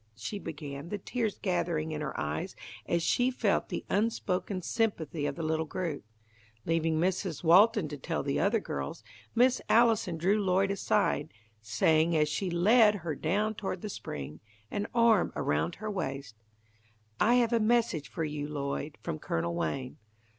she began, the tears gathering in her eyes as she felt the unspoken, sympathy of the little group. Leaving Mrs. Walton to tell the other girls, Miss Allison drew Lloyd aside, saying as she led her down toward the spring, an arm around her waist, "I have a message for you, Lloyd, from Colonel Wayne.